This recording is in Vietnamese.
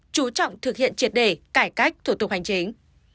chú trọng thực hiện triệt đề cải cách thủ tục hành chính